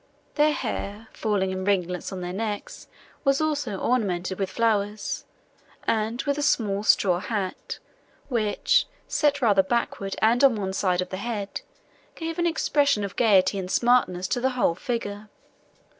Their hair, falling in ringlets on their necks, was also ornamented with flowers, and with a small straw hat, which, set rather backward and on one side of the head, gave an expression of gaiety and smartness to the whole figure.